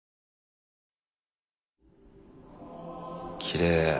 きれい。